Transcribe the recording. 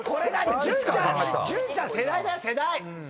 潤ちゃん世代だよ世代！